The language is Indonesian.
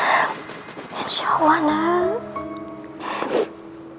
insya allah nak